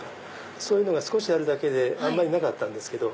そういうのが少しあるだけであんまりなかったんですけど。